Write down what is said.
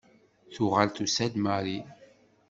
Tuɣal tusa-d Marie.